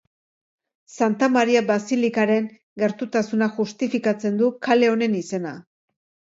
Santa Maria basilikaren gertutasunak justifikatzen du kale honen izena.